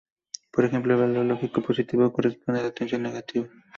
Por ejemplo, el valor lógico positivo corresponde a la tensión negativa.